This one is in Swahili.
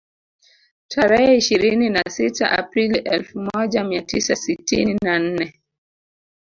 Tarehe ishirini na sita Aprili elfu moja mia tisa sitini na nne